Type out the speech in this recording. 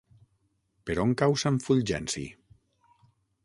Per on cau Sant Fulgenci?